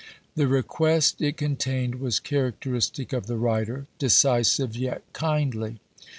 The request it contained was characteristic of the writer decisive, yet kindly.